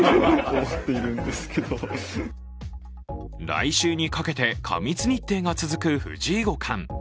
来週にかけて過密日程が続く藤井五冠。